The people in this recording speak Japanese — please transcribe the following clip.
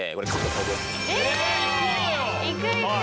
いくいく！